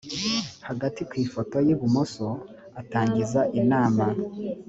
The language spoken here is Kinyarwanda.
hagati ku ifoto y ibumoso atangiza inama